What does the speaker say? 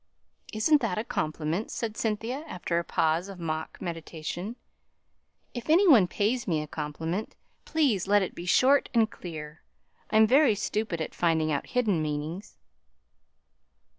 "Isn't that a compliment?" said Cynthia, after a pause of mock meditation. "If any one pays me a compliment, please let it be short and clear. I'm very stupid at finding out hidden meanings."